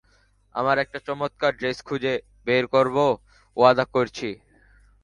আমরা একটা চমৎকার ড্রেস খুঁজে বের করব, ওয়াদা করছি।